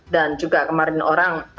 dan juga kemarin orang